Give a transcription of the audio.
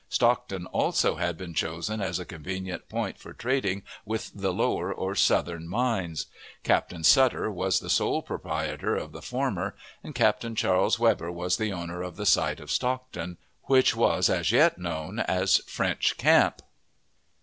Stockton also had been chosen as a convenient point for trading with the lower or southern mines. Captain Sutter was the sole proprietor of the former, and Captain Charles Weber was the owner of the site of Stockton, which was as yet known as "French Camp."